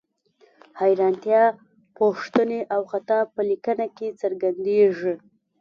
حیرانتیا، پوښتنې او خطاب په لیکنه کې څرګندیږي.